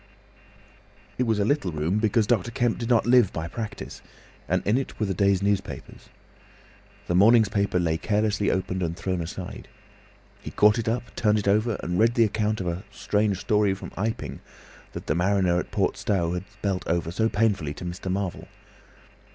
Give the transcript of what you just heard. It was a little room, because Dr. Kemp did not live by practice, and in it were the day's newspapers. The morning's paper lay carelessly opened and thrown aside. He caught it up, turned it over, and read the account of a "Strange Story from Iping" that the mariner at Port Stowe had spelt over so painfully to Mr. Marvel.